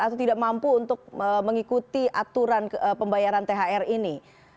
atau tidak mampu untuk mengikuti aturan pembayaran thr ini